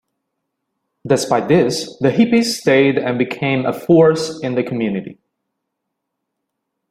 Despite this, the hippies stayed and became a force in the community.